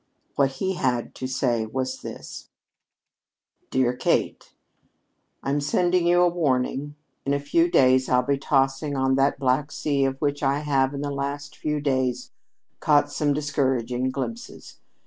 What he had to say was this: "DEAREST KATE: "I'm sending you a warning. In a few days I'll be tossing on that black sea of which I have, in the last few days, caught some discouraging glimpses.